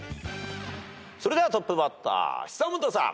それではトップバッター久本さん。